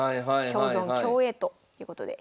共存共栄ということで。